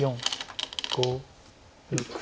５６。